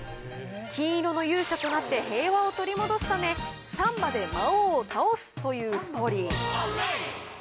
金色の勇者となって平和を取り戻すため、サンバで魔王を倒すというストーリー。